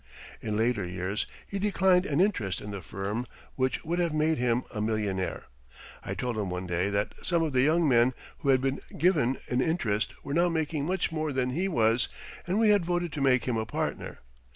In later years he declined an interest in the firm which would have made him a millionaire. I told him one day that some of the young men who had been given an interest were now making much more than he was and we had voted to make him a partner.